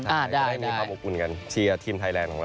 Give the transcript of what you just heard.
จะได้มีความอบอุ่นกันเชียร์ทีมไทยแลนด์ของเรา